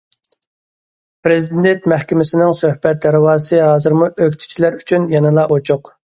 پىرېزىدېنت مەھكىمىسىنىڭ سۆھبەت دەرۋازىسى ھازىرمۇ ئۆكتىچىلەر ئۈچۈن يەنىلا ئوچۇق.